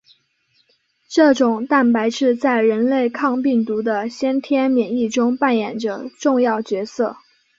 这种蛋白质在人类抗病毒的先天免疫中扮演着重要角色。